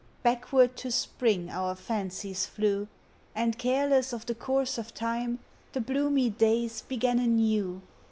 Backward to spring our fancies flew, And, careless of the course of time, The bloomy days began anew.